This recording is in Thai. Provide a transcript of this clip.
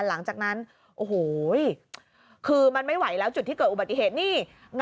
หลังจากนั้นโอ้โหคือมันไม่ไหวแล้วจุดที่เกิดอุบัติเหตุนี่